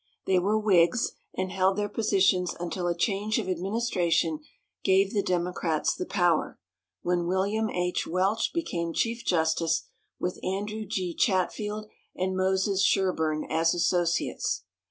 They were Whigs, and held their positions until a change of administration gave the Democrats the power, when William H. Welch became chief justice, with Andrew G. Chatfield and Moses Sherburne as associates.